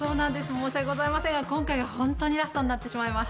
申し訳ございませんが今回がホントにラストになってしまいます。